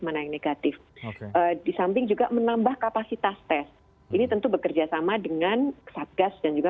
mana yang negatif disamping juga menambah kapasitas tes ini tentu bekerjasama dengan satgas dan juga